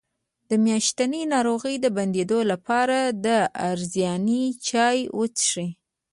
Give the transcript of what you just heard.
د میاشتنۍ ناروغۍ د بندیدو لپاره د رازیانې چای وڅښئ